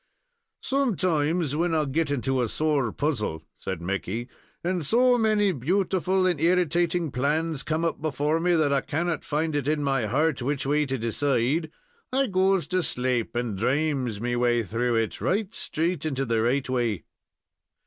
"Sometimes when I git into a sore puzzle," said Mickey, "and so many beautiful and irritating plans come up before me that I cannot find it in my heart which way to decide, I goes to slape and drames me way through it, right straight into the right way."